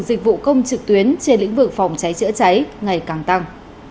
dịch vụ công trực tuyến trên lĩnh vực phòng cháy chữa cháy ngày càng tăng